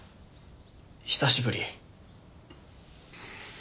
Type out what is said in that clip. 久しぶり。